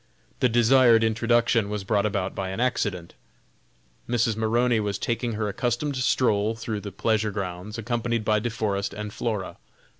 The desired introduction was brought about by an accident. Mrs. Maroney was taking her accustomed stroll through the pleasure grounds, accompanied by De Forest and Flora.